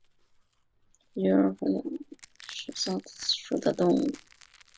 鱼饵湖角猛水蚤为短角猛水蚤科湖角猛水蚤属的动物。